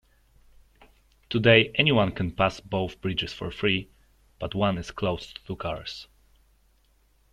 Today, anyone can pass both bridges for free, but one is closed to cars.